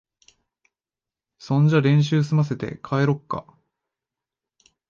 そんじゃ練習すませて、帰ろっか。